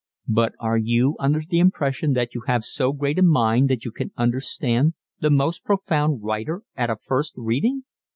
"But are you under the impression that you have so great a mind that you can understand the most profound writer at a first reading?"